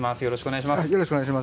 よろしくお願いします。